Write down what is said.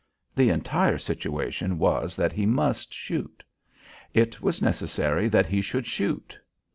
The entire situation was that he must shoot. It was necessary that he should shoot.